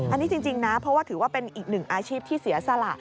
อันนี้จริงนะเพราะว่าถือว่าเป็นอีกหนึ่งอาชีพที่เสียสละ